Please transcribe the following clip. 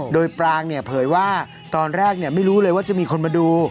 โดยปรางเนี่ยเผยว่าตอนแรกไม่รู้เลยว่าจะมีคนมาดู